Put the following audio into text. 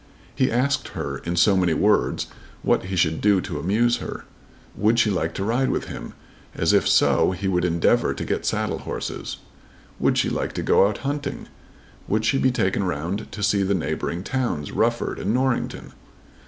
He asked her in so many words what he should do to amuse her. Would she like to ride with him, as if so he would endeavour to get saddle horses. Would she like to go out hunting? Would she be taken round to see the neighbouring towns, Rufford and Norrington?